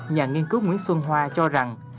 nhà nghiên cứu nguyễn xuân hoa cho rằng